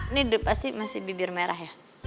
ini pasti masih bibir merah ya